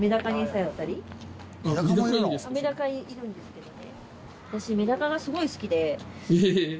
メダカいるんですけどね。